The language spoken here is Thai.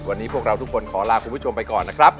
วันนี้พวกเราทุกคนขอลาคุณผู้ชมไปก่อนนะครับ